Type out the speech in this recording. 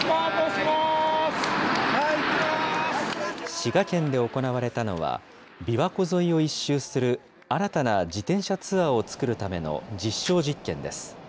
滋賀県で行われたのは、びわ湖沿いを１周する新たな自転車ツアーを作るための実証実験です。